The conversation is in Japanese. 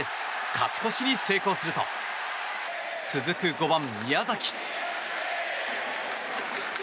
勝ち越しに成功すると続く５番、宮崎。